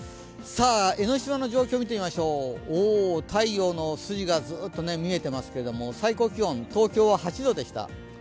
江の島の状況を見てみましょう、太陽の筋がずっと見えていますけれども、最高気温、東京は８度でした。